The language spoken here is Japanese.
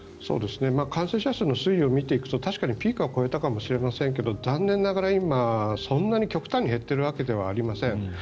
感染者数の推移を見ていくと確かにピークは越えたかもしれませんが残念ながら今、極端に減ってるわけではありません。